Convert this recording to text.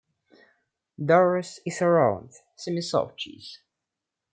Durrus is a round, semi-soft cheese.